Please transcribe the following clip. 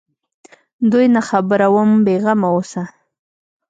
دوى نه خبروم بې غمه اوسه.